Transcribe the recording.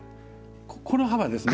この幅ですね。